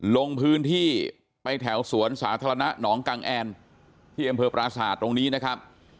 ลงพื้นที่ไปแถวสวนสาธารณะนำโกรณาที่เอมเภอปราสาทตรงนี้นะครับ